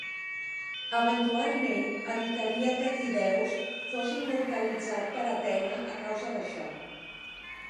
Eventualment evitaria que Tydeus fos immortalitzat per Athena a causa d'això.